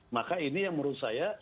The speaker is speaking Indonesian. maka ini yang menurut saya